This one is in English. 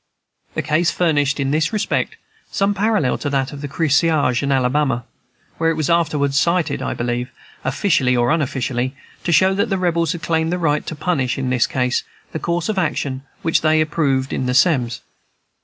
The case furnished in this respect some parallel to that of the Kearsage and Alabama, and it was afterwards cited, I believe, officially or unofficially, to show that the Rebels had claimed the right to punish, in this case, the course of action which they approved in Semmes.